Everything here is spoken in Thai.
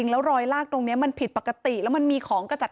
ชาวบ้านในพื้นที่บอกว่าปกติผู้ตายเขาก็อยู่กับสามีแล้วก็ลูกสองคนนะฮะ